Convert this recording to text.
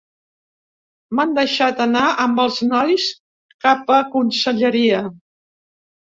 “M'han deixat anar amb els nois, cap a Conselleria.